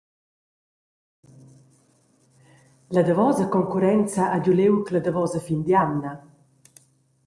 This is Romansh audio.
La davosa concurrenza ha giu liug la davosa fin d’jamna.